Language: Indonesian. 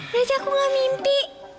berarti aku gak mimpi